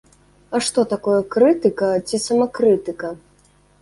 А што такое крытыка ці самакрытыка?